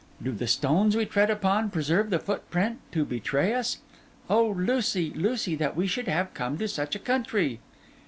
Do the stones we tread upon preserve the footprint to betray us? Oh, Lucy, Lucy, that we should have come to such a country!